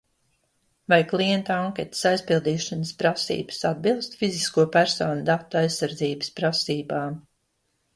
Vai klienta anketas aizpildīšanas prasības atbilst fizisko personu datu aizsardzības prasībām?